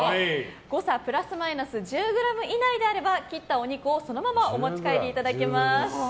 誤差プラスマイナス１０ｇ以内であれば切ったお肉をそのままお持ち帰りいただけます。